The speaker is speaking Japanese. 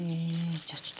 じゃあちょっと。